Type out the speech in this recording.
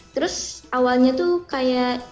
terus awalnya tuh kayak